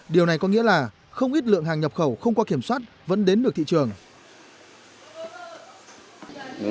điều này có nghĩa là không ít lượng hàng nhập khẩu không qua kiểm soát vẫn đến được thị trường